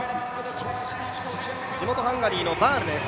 地元ハンガリーのバールです。